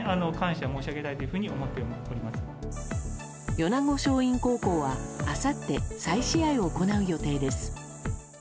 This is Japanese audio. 米子松蔭高校はあさって再試合を行う予定です。